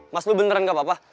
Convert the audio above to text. mas bob beneran gak apa apa